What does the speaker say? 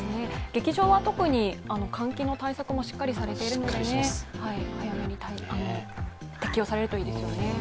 劇場は特に換気の対策もしっかりされているので、早めに適用されるといいですね。